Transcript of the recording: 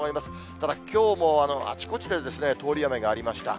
ただ、きょうもあちこちで通り雨がありました。